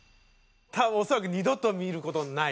多分恐らく二度と見る事のない。